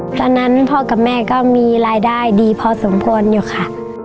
ตอนนั้นพ่อกับแม่ก็มีรายได้ดีพอสมควรอยู่ค่ะ